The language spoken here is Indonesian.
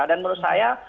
dan menurut saya